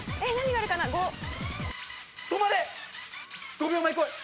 ５秒前こい！